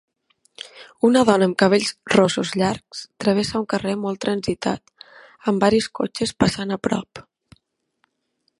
Una dona amb cabells rossos llargs travessa un carrer molt transitat amb varis cotxes passant a prop.